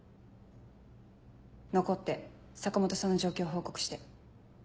残って坂本さんの状況を報告して。